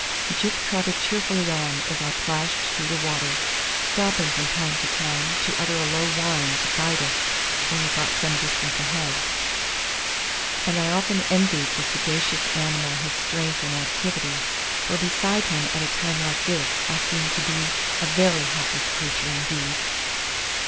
Gyp trotted cheerfully on as I plashed through the water, stopping from time to time to utter a low whine to guide us when he got some distance ahead, and I often envied the sagacious animal his strength and activity, for beside him at a time like this I seemed to be a very helpless creature indeed.